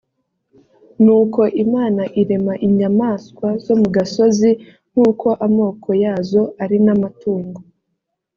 nuko imana irema inyamaswa zo mu gasozi nk uko amoko yazo ari n amatungo